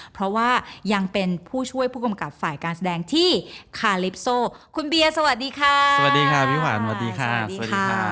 เพราะว่ายังเป็นผู้ช่วยผู้กำกับฝ่ายการแสดงที่คาลิปโซคุณเบียร์สวัสดีค่ะสวัสดีค่ะพี่ขวัญสวัสดีค่ะสวัสดีค่ะ